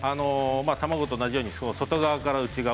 卵と同じように外側から内側。